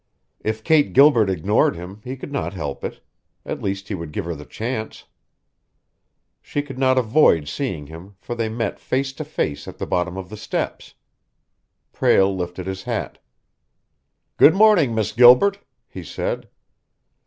If Kate Gilbert ignored him, he could not help it. At least, he would give her the chance. She could not avoid seeing him, for they met face to face at the bottom of the steps. Prale lifted his hat. "Good morning, Miss Gilbert," he said.